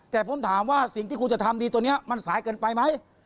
แต่ผมถามว่าสิ่งที่คุณจะทำดีตัวนี้มันสายเกินไปไหม